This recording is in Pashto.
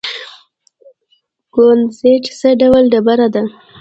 کونزیټ څه ډول ډبره ده؟